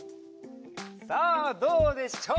さあどうでしょう？